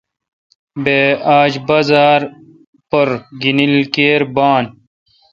بہ آج بازار پر گینل کیر بھان۔